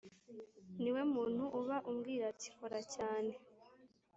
ni we muntu uba umbwira ati kora cyane